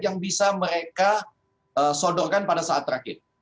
yang bisa mereka sodorkan pada saat terakhir